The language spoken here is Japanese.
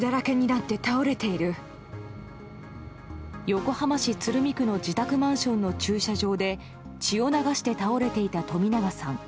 横浜市鶴見区の自宅マンションの駐車場で血を流して倒れていた冨永さん。